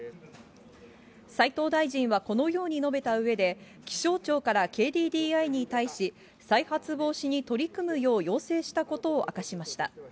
斉藤大臣はこのように述べたうえで、気象庁からＫＤＤＩに対し、再発防止に取り組むよう要請したことを明かしました。